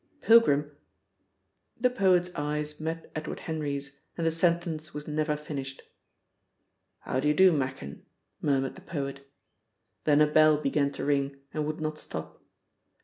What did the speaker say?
Pilgrim " The poet's eyes met Edward Henry's, and the sentence was never finished. "How d'ye do, Machin?" murmured the poet. Then a bell began to ring and would not stop.